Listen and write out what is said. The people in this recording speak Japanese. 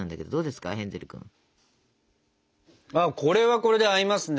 これはこれで合いますね。